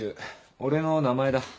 俺の名前だ。